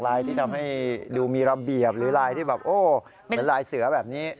ที่ทำให้ดูมีระเบียบหรือลายที่แบบโอ้เหมือนลายเสือแบบนี้